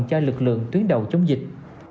cho lực lượng tuyến đầu chống dịch